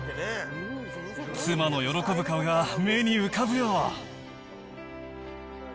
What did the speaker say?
妻の喜ぶ顔が目に浮かぶよ。